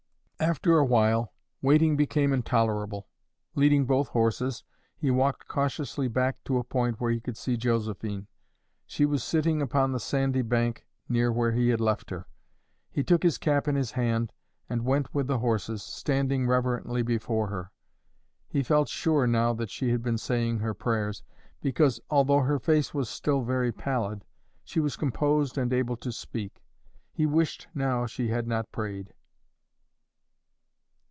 After awhile, waiting became intolerable. Leading both horses, he walked cautiously back to a point where he could see Josephine. She was sitting upon the sandy bank near where he had left her. He took his cap in his hand, and went with the horses, standing reverently before her. He felt sure now that she had been saying her prayers, because, although her face was still very pallid, she was composed and able to speak. He wished now she had not prayed.